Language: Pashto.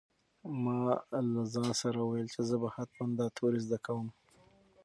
ما له ځان سره وویل چې زه به هم حتماً دا توري زده کوم.